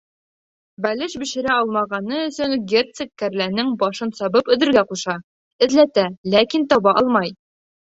Бәлеш бешерә алмағаны өсөн герцог кәрләнең башын сабып өҙөргә ҡуша, эҙләтә, ләкин таба алмай.